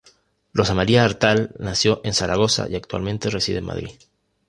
Rosa María Artal nació en Zaragoza y actualmente reside en Madrid.